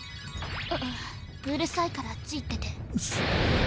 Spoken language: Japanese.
うぅうるさいからあっち行ってて。